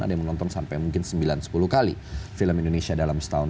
ada yang menonton sampai mungkin sembilan sepuluh kali film indonesia dalam setahun